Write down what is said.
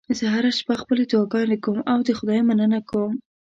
زه هره شپه خپلې دعاګانې کوم او د خدای مننه کوم